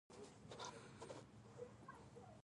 د کابل درې د نړۍ تر ټولو پخوانی د لاجورد کان دی